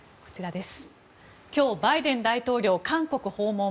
今日、バイデン大統領韓国訪問。